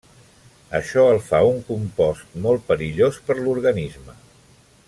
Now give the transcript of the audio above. Això el fa un compost molt perillós per l'organisme.